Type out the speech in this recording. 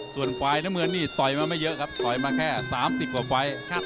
ส่วนฝ่ายน้ำเงินนี่ต่อยมาไม่เยอะครับต่อยมาแค่๓๐กว่าไฟล์